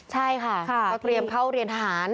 ใช่ค่ะเคยเตรียมเข้าเรียนฐาน